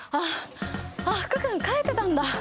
あっ福君帰ってたんだ。